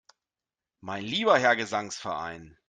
Mein lieber Herr Gesangsverein!